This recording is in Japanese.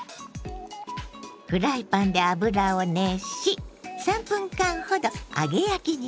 フライパンで油を熱し３分間ほど揚げ焼きにします。